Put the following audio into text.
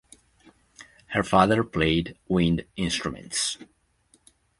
Her father played wind instruments.